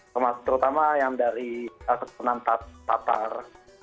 terutama yang dari keturunan tatar